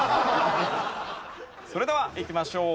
それではいきましょう。